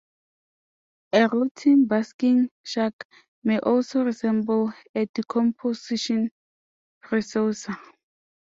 A rotting basking shark may also resemble a decomposing plesiosaur.